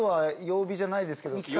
曜日じゃないんですか？